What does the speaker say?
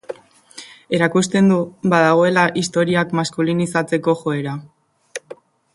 Erakusten du badagoela istorioak maskulinizatzeko joera.